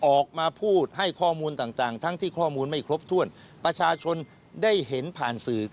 ออกมาพูดให้ข้อมูลต่างทั้งที่ข้อมูลไม่ครบถ้วนประชาชนได้เห็นผ่านสื่อ